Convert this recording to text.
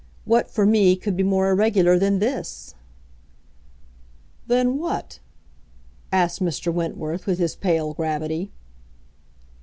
What, for me, could be more irregular than this?" "Than what?" asked Mr. Wentworth, with his pale gravity.